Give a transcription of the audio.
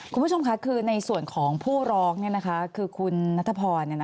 คุณผู้ชมค่ะคือในส่วนของผู้ร้องคือคุณนัทพร